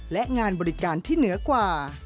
และงานบริการที่เหนือกว่า